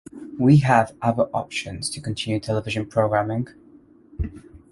We have other options to continue television programming.